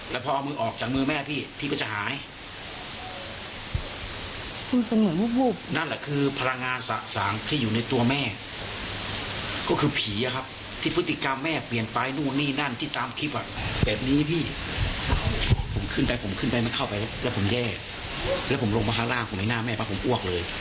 แล้วผมลงมาข้างร่างผมในหน้าแม่ฟะผมอ้วกเลย